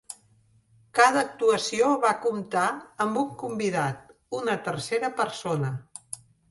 Cada actuació va comptar amb un convidat: una tercera persona.